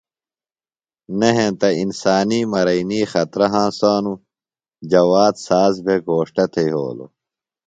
نہ ہینتہ انسانی مرئینی خطرہ ہنسانوۡ۔ جواد ساز بھےۡ گھوݜٹہ تھےۡ یھولوۡ۔